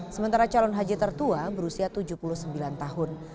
sementara calon haji tertua berusia tujuh puluh sembilan tahun